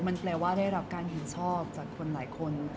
มันแปลว่าได้รับการเห็นชอบจากคนหลายคน